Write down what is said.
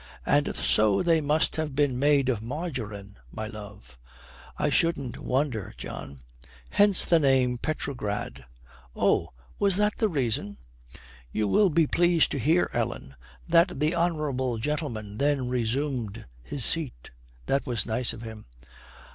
'And so they must have been made of margarine, my love.' 'I shouldn't wonder, John.' 'Hence the name Petrograd.' 'Oh, was that the reason?' 'You will be pleased to hear, Ellen, that the honourable gentleman then resumed his seat.' 'That was nice of him.'